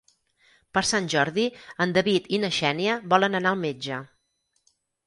Per Sant Jordi en David i na Xènia volen anar al metge.